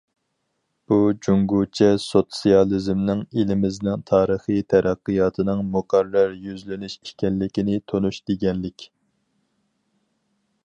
بۇ، جۇڭگوچە سوتسىيالىزمنىڭ ئېلىمىزنىڭ تارىخىي تەرەققىياتىنىڭ مۇقەررەر يۈزلىنىشى ئىكەنلىكىنى تونۇش دېگەنلىك.